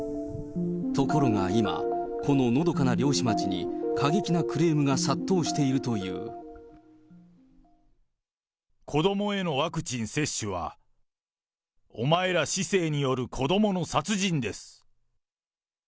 ところが今、こののどかな漁師町に過激なクレームが殺到している子どもへのワクチン接種は、お前ら市政による子どもの殺人です。